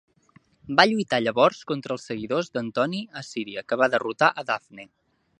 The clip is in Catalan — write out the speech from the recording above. Va lluitar llavors contra els seguidors d'Antoni a Síria que va derrotar a Dafne.